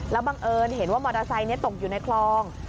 บังเอิญเห็นว่ามอเตอร์ไซค์ตกอยู่ในคลอง